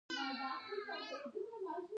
د دهلې بند په کندهار کې دی